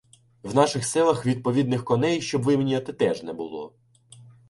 В наших селах відповідних коней, щоб виміняти, теж не було.